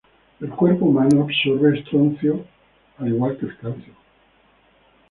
El cuerpo humano absorbe estroncio al igual que el calcio.